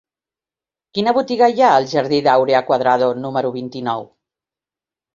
Quina botiga hi ha al jardí d'Áurea Cuadrado número vint-i-nou?